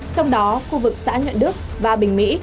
trong đó khu vực xã nhuận đức và bình mỹ